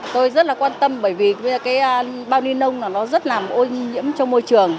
tôi rất là quan tâm bởi vì cái bao ly lông nó rất là ô nhiễm cho môi trường